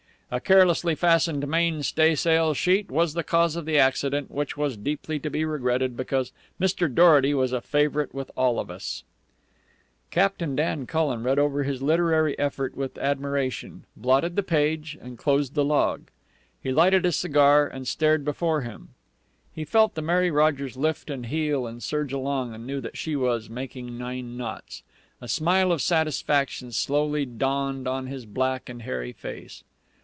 A carelessly fastened mainstaysail sheet was the cause of the accident, which was deeply to be regretted because Mr. Dorety was a favorite with all of us_." Captain Dan Cullen read over his literary effort with admiration, blotted the page, and closed the log. He lighted a cigar and stared before him. He felt the Mary Rogers lift, and heel, and surge along, and knew that she was making nine knots. A smile of satisfaction slowly dawned on his black and hairy face.